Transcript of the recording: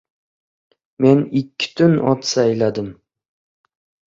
Men ikki kun ot sayladim.